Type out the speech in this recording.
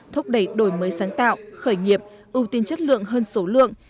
thúc đẩy đổi mới sáng tạo khởi nghiệp ưu tiên chất lượng hơn số lượng